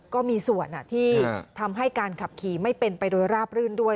ก็มีส่วนที่ทำให้การขับขี่ไม่เป็นไปโดยราบรื่นด้วย